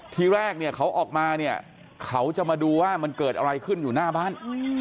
ที่แรกเขาออกมาเขาจะมาดูว่ามันเกิดอะไรขึ้นอยู่หน้าบ้าน